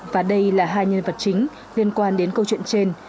và đây là hai nhân vật chính liên quan đến câu chuyện trên